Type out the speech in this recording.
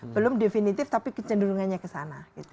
belum definitif tapi kecenderungannya ke sana